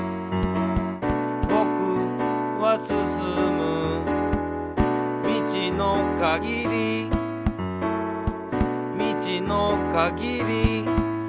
「ぼくはすすむ」「みちのかぎり」「みちのかぎり」